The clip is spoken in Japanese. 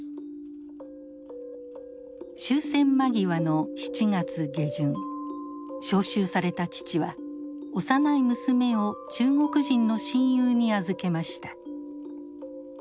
終戦間際の７月下旬召集された父は幼い娘を中国人の親友に預けました。